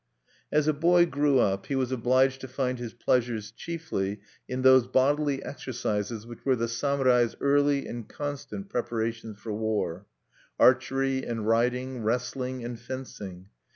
As a boy grew up, he was obliged to find his pleasures chiefly in those bodily exercises which were the samurai's early and constant preparations for war, archery and riding, wrestling and fencing.